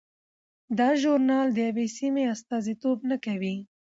دا ژورنال د یوې سیمې استازیتوب نه کوي.